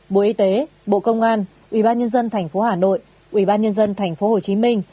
hai bộ y tế bộ công an ubnd tp hà nội ubnd tp hồ chí minh